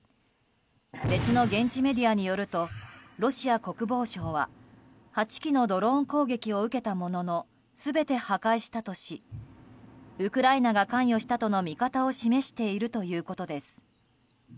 別の現地メディアによるとロシア国防省は８機のドローン攻撃を受けたものの全て破壊したとしウクライナが関与したとの見方を示しているということです。